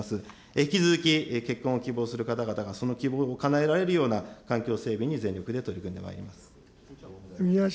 引き続き、結婚を希望する方々がその希望をかなえられるような、環境整備に全力で取り組んでまいります。